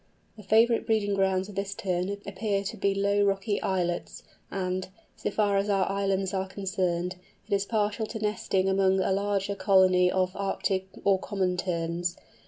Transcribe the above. The favourite breeding grounds of this Tern appear to be low rocky islets and—so far as our islands are concerned—it is partial to nesting among a larger colony of Arctic or Common Terns.